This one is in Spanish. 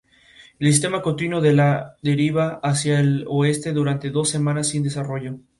Asimismo perdieron en la huida todos sus cañones.